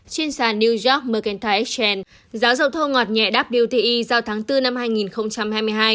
trên sàn new york merkel exchen giá dầu thô ngọt nhẹ wti giao tháng bốn năm hai nghìn hai mươi hai